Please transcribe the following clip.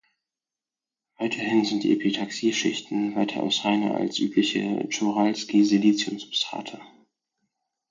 Weiterhin sind die Epitaxie-Schichten weitaus reiner als übliche Czochralski-Siliciumsubstrate.